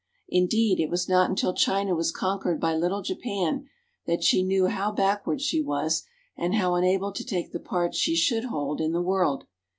Indeed, it was not until China was conquered by little Japan, that she knew how backward she was and how unable to take the part she should hold in the world.